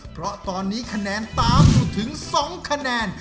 เพราะตอนนี้คะแนนตามอยู่ถึง๒คะแนน